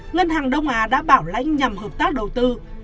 ngân hàng đông á đã bảo lãnh nhằm hợp tác đầu tư